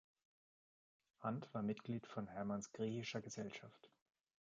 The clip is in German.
Hand war Mitglied von Hermanns "Griechischer Gesellschaft".